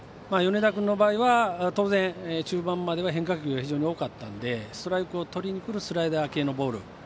米田君の場合は当然中盤までは変化球が非常に多かったのでストライクをとりにくるスライダー系のボール。